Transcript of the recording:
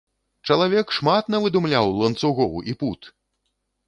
Чалавек шмат навыдумляў ланцугоў і пут!